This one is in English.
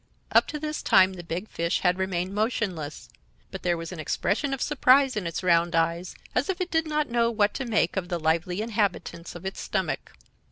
"Up to this time the big fish had remained motionless, but there was an expression of surprise in its round eyes, as if it did not know what to make of the lively inhabitants of its stomach.